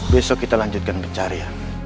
besok kita lanjutkan pencarian